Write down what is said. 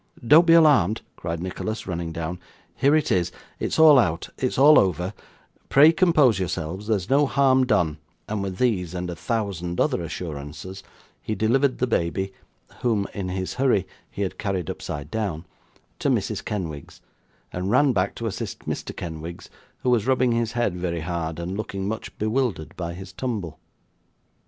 'Don't be alarmed,' cried Nicholas, running down; 'here it is; it's all out, it's all over; pray compose yourselves; there's no harm done;' and with these, and a thousand other assurances, he delivered the baby (whom, in his hurry, he had carried upside down), to Mrs. Kenwigs, and ran back to assist Mr. Kenwigs, who was rubbing his head very hard, and looking much bewildered by his tumble.